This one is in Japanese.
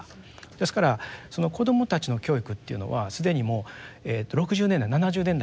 ですからその子どもたちの教育っていうのは既にもう６０年代７０年代から始まってます。